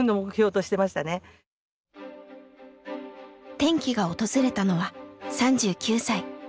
転機が訪れたのは３９歳。